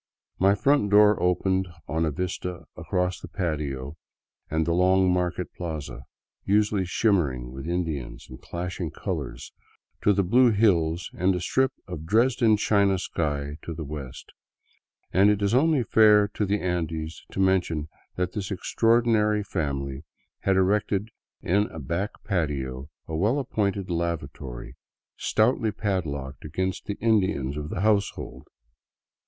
My front door opened on a vista across the patio and the long market plaza, usually shimmering with Indians and clashing colors, to the blue hills and a strip of Dresden china sky to the west ; and it is only fair to the Andes to mention that this extraordinary family had erected in a back patio a well appointed lavatory, stoutly padlocked against the Indians of the hotfsehold.